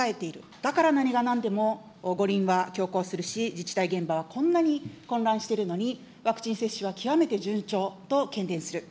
だから何がなんでも五輪は強行するし、自治体現場はこんなに混乱しているのに、ワクチン接種は極めて順調とけんでんする。